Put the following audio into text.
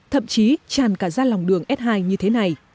thậm chí tràn cả ra lòng đường s hai như thế này